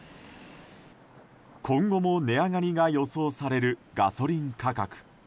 今後も値上がりが予想されるガソリン価格。